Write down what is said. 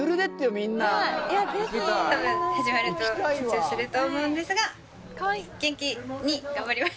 みんな多分始まると緊張すると思うんですが元気に頑張ります